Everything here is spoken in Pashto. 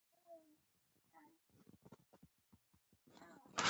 یو پر بل پسې وتړل شول،